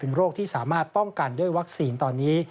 โรคที่สามารถป้องกันด้วยวัคซีนตอนนี้